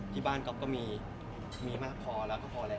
ที่บ้านก๊อฟก็มีมากพอแล้วก็พอแล้ว